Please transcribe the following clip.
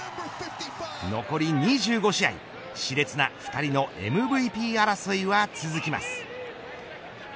残り２５試合、し烈な２人のＭＶＰ争いは続きます。